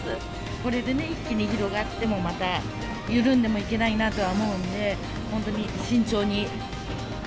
これでね、一気に広がっても、また緩んでもいけないなと思うので、本当に慎重に。